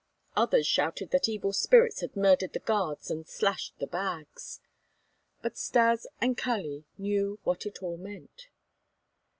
Others shouted that evil spirits had murdered the guards and slashed the bags. But Stas and Kali knew what it all meant.